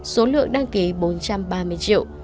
số lượng đăng ký bốn trăm ba mươi triệu